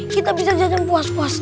kita bisa jajan puas puas